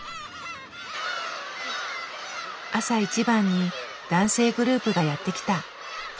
朝一番に男性グループがやって来た。